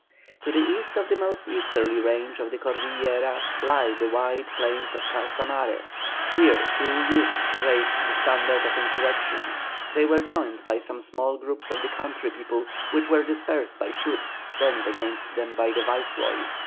To the east of the most easterly range of the Cordillera lie the wide plains of Casanare; here two youths raised the standard of insurrection. They were joined by some small groups of the country people, which were dispersed by troops sent against them by the Viceroy.